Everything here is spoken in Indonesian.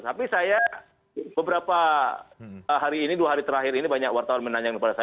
tapi saya beberapa hari ini dua hari terakhir ini banyak wartawan menanyakan kepada saya